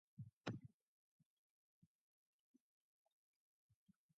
The slogan of the agitation was "Quit Kashmir".